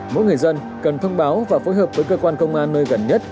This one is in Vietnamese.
mỗi người dân cần thông báo và phối hợp với cơ quan công an nơi gần nhất